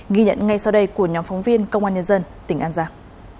ghi nhận ngay sau đây của nhóm phóng viên công an nhân dân tỉnh an giang